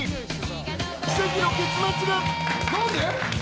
奇跡の結末が！